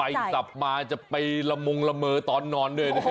ผมกลัวสับไปสับมาจะไปละมงละเมอตอนนอนด้วย